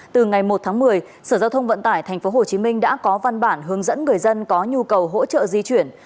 từ ngày một tháng một mươi sở giao thông vận tải tp hcm đã có văn bản hướng dẫn người dân có nhu cầu hỗ trợ di chuyển